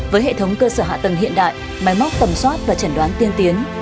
với hệ thống cơ sở hạ tầng hiện đại máy móc tầm soát và chẩn đoán tiên tiến